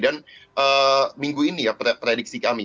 dan minggu ini ya prediksi kami